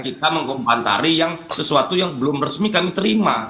kita mengkompari yang sesuatu yang belum resmi kami terima